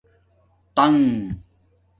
تنگ